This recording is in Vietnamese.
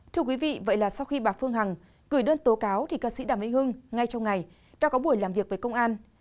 thưa quý vị vậy là sau khi bà phương hằng gửi đơn tố cáo thì ca sĩ đàm minh hưng ngay trong ngày đã có buổi làm việc với công an